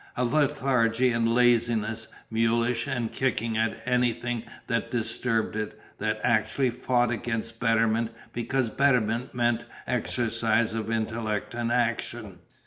A lethargy and laziness, mulish, and kicking at anything that disturbed it, that actually fought against betterment because betterment meant exercise of intellect and action.